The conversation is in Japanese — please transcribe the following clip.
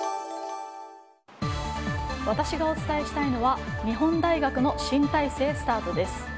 私がお伝えしたいのは日本大学の新体制スタートです。